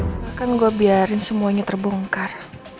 aku akan biarin semuanya terbongkar